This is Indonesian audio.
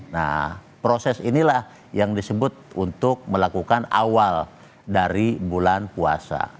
nah proses inilah yang disebut untuk melakukan awal dari bulan puasa